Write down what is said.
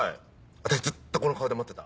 私ずっとこの顔で待ってた。